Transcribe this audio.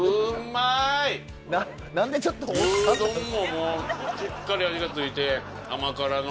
牛丼ももうしっかり味が付いて甘辛の。